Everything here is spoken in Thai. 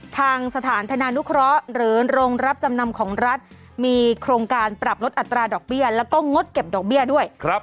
ทางสถานธนานุเคราะห์หรือโรงรับจำนำของรัฐมีโครงการปรับลดอัตราดอกเบี้ยแล้วก็งดเก็บดอกเบี้ยด้วย